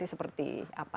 nanti seperti apa